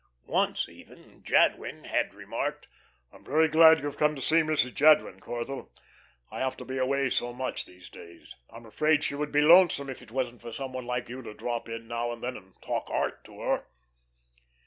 Once even Jadwin had remarked: "I'm very glad you have come to see Mrs. Jadwin, Corthell. I have to be away so much these days, I'm afraid she would be lonesome if it wasn't for some one like you to drop in now and then and talk art to her."